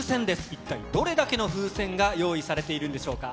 一体どれだけの風船が用意されているんでしょうか。